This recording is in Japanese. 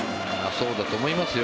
そうだと思いますよ。